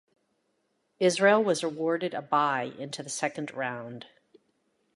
Israel was awarded a bye into the Second Round.